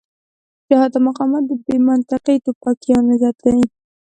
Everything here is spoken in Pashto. جهاد او مقاومت د بې منطقې ټوپکيان غرت دی.